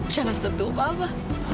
jangan sentuh mama